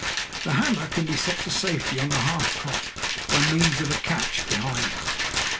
The hammer can be set to safety on the half cock by means of a catch behind it.